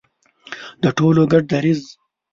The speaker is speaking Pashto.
د ټولو ګډ دریځ.